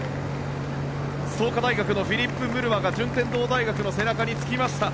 創価大学のフィリップ・ムルワが順天堂大学の背中につきました。